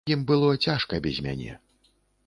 Ім было цяжка без мяне.